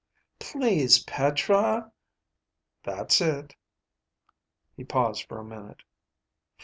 "Please, Petra ..." "That's it." He paused for a minute.